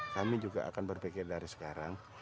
kami juga akan berpikir dari sekarang